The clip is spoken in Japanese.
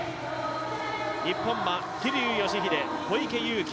日本は桐生祥秀、小池祐貴